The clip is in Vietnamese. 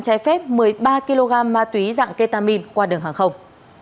trái phép một mươi ba kg ma túy dạng ketamin qua đường hàng không